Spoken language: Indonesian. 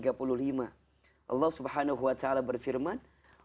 allah subhanahu wa ta'ala berfirman